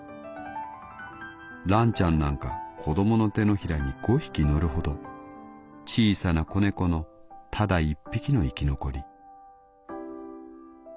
らんちゃんなんかこどもの手のひらに５匹乗るほど小さな子猫のただ一匹の生き残り」。